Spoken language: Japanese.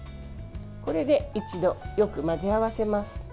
これで一度よく混ぜ合わせます。